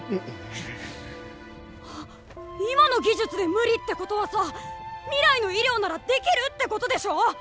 ハッ今の技術で無理ってことはさ未来の医療ならできるってことでしょ？